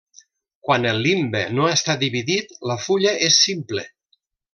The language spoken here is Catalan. Quan el limbe no està dividit, la fulla és simple.